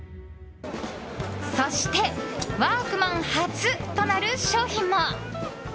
そしてワークマン初となる商品も。